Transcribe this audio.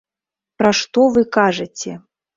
Пра што вы кажаце?!